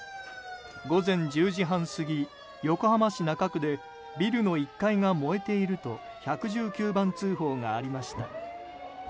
午前１０時半過ぎ、横浜市中区でビルの１階が燃えていると１１９番通報がありました。